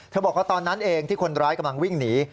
บอกว่าตอนนั้นเองที่คนร้ายกำลังวิ่งหนี